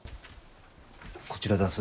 こちらだす。